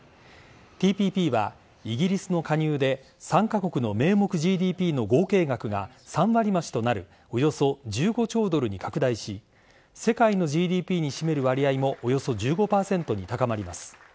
ＴＰＰはイギリスの加入で参加国の名目ＧＤＰの合計額が３割増となるおよそ１５兆ドルに拡大し世界のＧＤＰに占める割合もおよそ１５％に高まります。